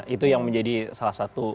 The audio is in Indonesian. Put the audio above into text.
itu yang menjadi salah satu